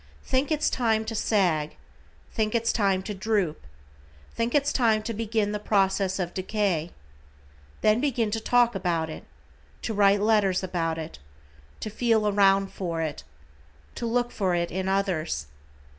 Think its time to sag. Think its time to droop. Think its time to begin the process of decay. Then begin to talk about it. To write letters about it. To feel around for it. To look for it in others.